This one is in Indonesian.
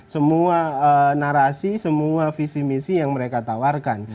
semua narasi semua visi misi yang mereka tawarkan